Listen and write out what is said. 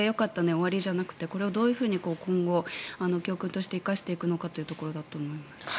終わりじゃなくてこれをどういうふうに今後、教訓として生かしていくのかというところだと思います。